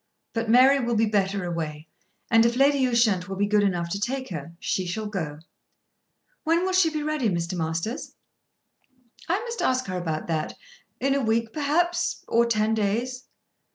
But Mary will be better away; and if Lady Ushant will be good enough to take her, she shall go." "When will she be ready, Mr. Masters?" "I must ask her about that; in a week perhaps, or ten days."